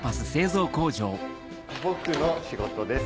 僕の仕事です。